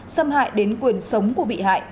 xâm hại đến quyền sống của bị hại